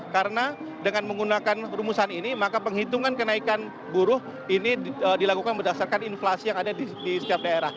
karena dengan menggunakan rumusan ini maka penghitungan kenaikan buruh ini dilakukan berdasarkan inflasi yang ada di setiap daerah